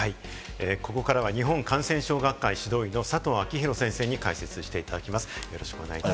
ここからは、日本感染症学会・指導医の佐藤昭裕氏に解説していただきます。